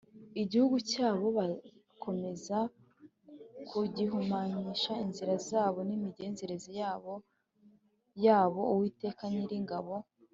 Igihugu cyabo bakomeza kugihumanyisha inzira zabo n’imigenzereze yabo yabo Uwiteka Nyiringabo